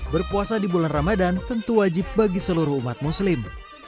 berpuasa di bulan ramadan tentu wajib bagi seluruh umat muslim